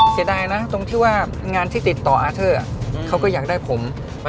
เสียดายนะตรงที่ว่างานที่ติดต่ออาเทอร์เขาก็อยากได้ผม